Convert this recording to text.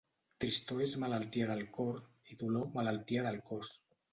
Tristor és malaltia del cor i dolor, malaltia del cos.